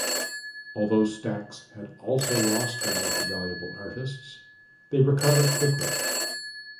Although Stax had also lost their most valuable artists, they recovered quickly.